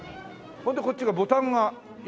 それでこっちがボタンが四つボタン。